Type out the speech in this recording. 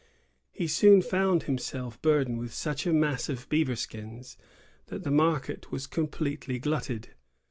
He soon found himself burdened with such a mass of beaver skins that the market was completely glutted.